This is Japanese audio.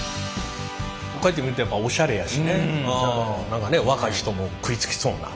こうやって見るとやっぱおしゃれやしね何かね若い人も食いつきそうな。